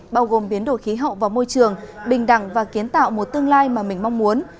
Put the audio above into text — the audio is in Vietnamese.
bao gồm biến đổi khí hậu và môi trường bình đẳng và kiến tạo một tương lai mà mình mong muốn